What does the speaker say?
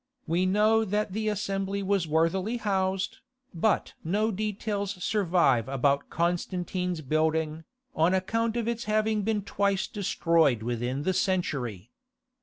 We know that the assembly was worthily housed, but no details survive about Constantine's building, on account of its having been twice destroyed within the century.